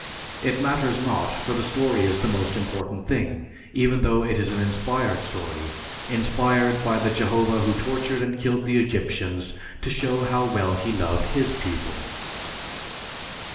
It matters not, for the story is the important thing, even though it is an inspired story, inspired by the Jehovah who tortured and killed the Egyptians to show how well he loved his people.